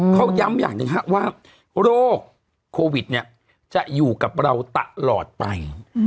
เขาย้ำอย่างนี้ครับว่าโรคโควิดเนี่ยจะอยู่กับเราตลอดไป